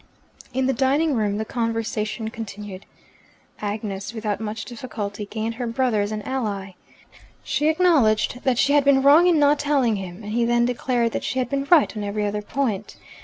In the dining room the conversation continued. Agnes, without much difficulty, gained her brother as an ally. She acknowledged that she had been wrong in not telling him, and he then declared that she had been right on every other point.